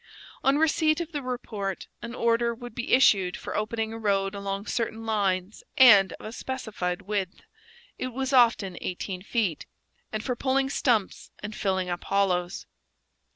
On receipt of the report, an order would be issued for opening a road along certain lines and of a specified width (it was often eighteen feet), and for pulling stumps and filling up hollows.